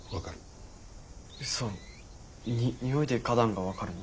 うそ。に匂いで花壇が分かるの？